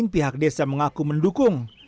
pihak desa mengaku mendukung